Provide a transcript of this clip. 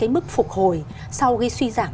mức phục hồi sau ghi suy giảm